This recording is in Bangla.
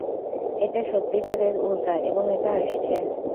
এটা সত্যিকারের উল্কা এবং এটা আসছে!